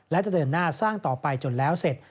และจะเดินหน้าสร้างต่อไปจนแล้วเสร็จ